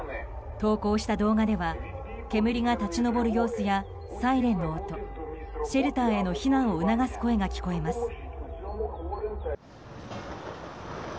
投稿した動画では煙が立ち上る様子やサイレンの音、シェルターへの避難を促す声が聞こえます。